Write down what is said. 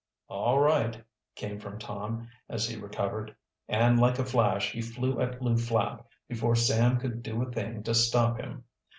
"All right!" came from Tom, as he recovered. And like a flash he flew at Lew Flapp, before Sam could do a thing to stop him.